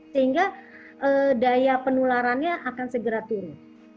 sehingga daya penularannya akan segera turun